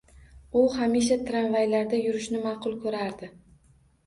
U hamisha tramvaylarda yurishni ma’qul ko’rardi.